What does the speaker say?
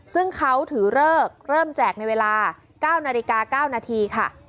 ซึ่งเขาถือเลิกเริ่มแจกในเวลา๙นาฬิกา๙นาทีค่ะ